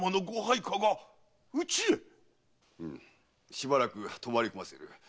⁉しばらく泊まりこませる。